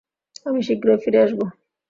আমি শীঘ্রই ফিরে আসব।